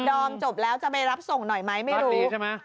ดอมจบแล้วจะไปรับส่งหน่อยไหมไม่รู้